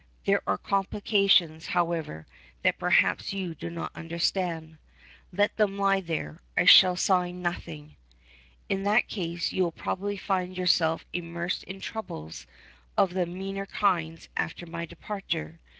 "There are complications, however, that perhaps you do not understand." "Let them lie there. I shall sign nothing." "In that case you will probably find yourself immersed in troubles of the meaner kinds after my departure.